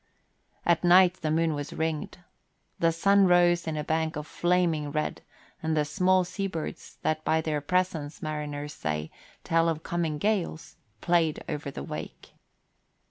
At night the moon was ringed. The sun rose in a bank of flaming red and the small sea birds that by their presence, mariners say, tell of coming gales, played over the wake.